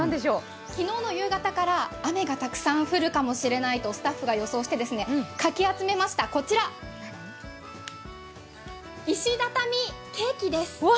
昨日の夕方から雨がたくさん降るかもしれないとスタッフが予想してかき集めました、こちら、石畳ケーキです。